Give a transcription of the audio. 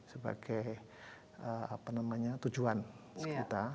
sebagai apa namanya tujuan sekitar